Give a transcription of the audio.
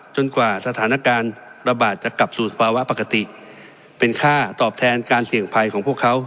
กว่าสถานการณ์ระบาดจะกลับสู่สภาวะปกติเป็นค่าตอบแทนการเสี่ยงภัยของพวกเขา